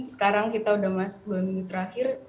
sekarang kita udah masuk dua minggu terakhir